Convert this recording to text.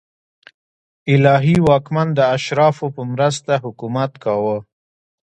الهي واکمن د اشرافو په مرسته حکومت کاوه.